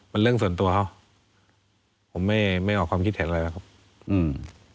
มันเรื่องส่วนตัวเขาผมไม่ไม่ออกความคิดเห็นอะไรแล้วครับอืม